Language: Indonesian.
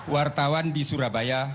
wartawan di surabaya